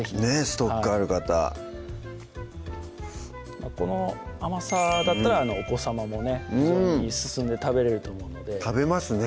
ストックある方この甘さだったらお子さまもね非常に進んで食べれると思うので食べますね